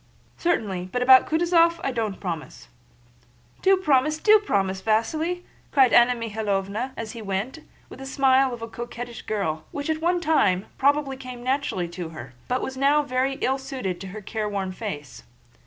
"Certainly; but about Kutúzov, I don't promise." "Do promise, do promise, Vasíli!" cried Anna Mikháylovna as he went, with the smile of a coquettish girl, which at one time probably came naturally to her, but was now very ill suited to her careworn face.